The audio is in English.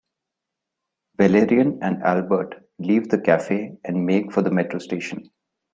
Valérian and Albert leave the café and make for the metro station.